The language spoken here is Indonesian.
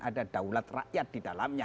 ada daulat rakyat di dalamnya